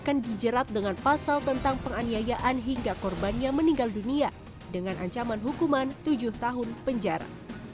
akan dijerat dengan pasal tentang penganiayaan hingga korbannya meninggal dunia dengan ancaman hukuman tujuh tahun penjara